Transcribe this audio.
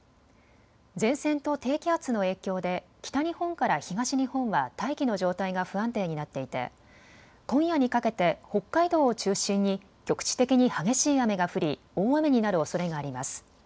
前線と低気圧の影響で北日本から東日本は大気の状態が不安定になっていて今夜にかけて北海道を中心に局地的に激しい雨が降り大雨になるおそれがあります。